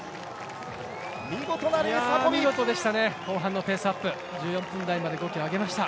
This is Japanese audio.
見事、後半のペースアップ１４分台まで上げました。